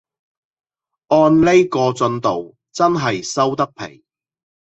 按呢個進度真係收得皮